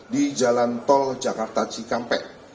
di jalan tol jakarta cikampek